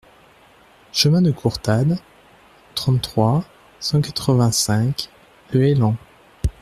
Chemin de Courtade, trente-trois, cent quatre-vingt-cinq Le Haillan